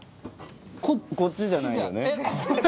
こっちじゃないよね？